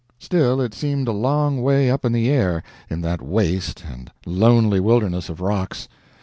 Still it seemed a long way up in the air, in that waste and lonely wilderness of rocks.